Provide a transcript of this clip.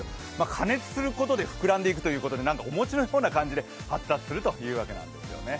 加熱することで膨らんでいくということで、お餅のような感じで発達するというわけなんですよね。